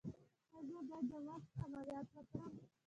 ایا زه باید د مغز عملیات وکړم؟